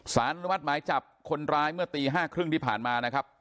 อนุมัติหมายจับคนร้ายเมื่อตี๕๓๐ที่ผ่านมานะครับ